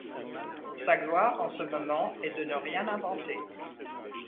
Sa gloire en ce moment est de ne rien inventer.